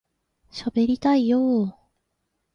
しゃべりたいよ～